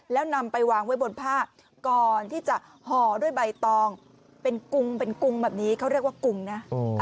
แล้วนำไปวางไว้บนผ้าก่อนที่จะห่อด้วยใบตองเป็นกุงเป็นกุงแบบนี้เขาเรียกว่ากุงนะ